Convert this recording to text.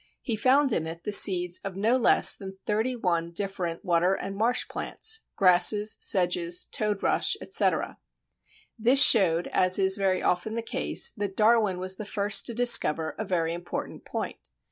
He found in it the seeds of no less than thirty one different water and marsh plants (Grasses, Sedges, Toad rush, etc.). This showed, as is very often the case, that Darwin was the first to discover a very important point.